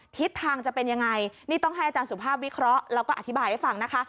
ทิศทางจะเป็นยังไงนี่ต้องให้อาจารย์สุภาพวิเคราะห์แล้วก็อธิบายให้ฟังนะคะ